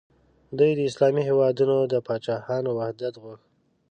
دوی د اسلامي هیوادونو د پاچاهانو وحدت غوښت.